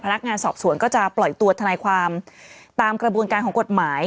นักงานสอบสวนก็จะปล่อยตัวทนายความตามกระบวนการของกฎหมาย